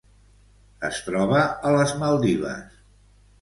Es troba a les Maldives.